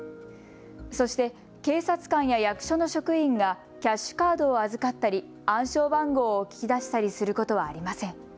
そして警察官や役所の職員がキャッシュカードを預かったり暗証番号を聞き出したりすることはありません。